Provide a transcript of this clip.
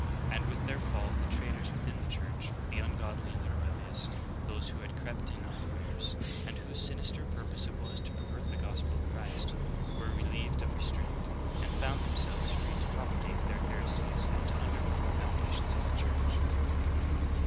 And with their fall, the traitors within the Church, the ungodly and the rebellious, those who had crept in un awares, and whose sinister purpose it was to pervert the gospel of Christ, were relieved of restraint, and found them selves free to propagate their heresies and to undermine the foundations of the Church.